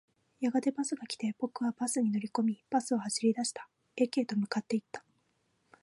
やがてバスが来て、僕はバスに乗り込み、バスは走り出した。駅へと向かっていった。